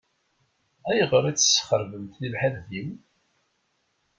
Ayɣer i tesxeṛbemt tibḥirt-iw?